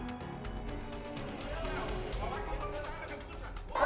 bapak bapak kita akan berusaha